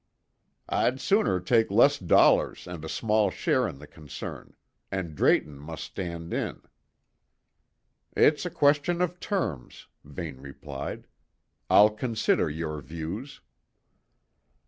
"I'd sooner take less dollars and a small share in the concern; and Drayton must stand in." "It's a question of terms," Vane replied. "I'll consider your views."